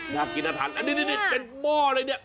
น่ากินอาทานนี่เป็นม่ออะไรนี่